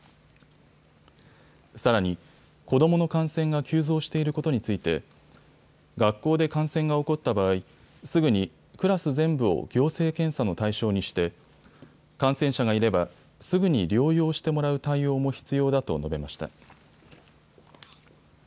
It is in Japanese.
さらに、子どもの感染が急増していることについて学校で感染が起こった場合、すぐにクラス全部を行政検査の対象にして感染者がいればすぐに療養してもらう対応も必要だと述べました。